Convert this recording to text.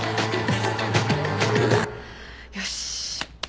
よし。